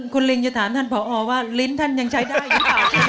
คุณลิงจะถามท่านผอว่าลิ้นท่านยังใช้ได้หรือเปล่า